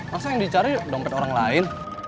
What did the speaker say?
masa yang dicari dompet orang lain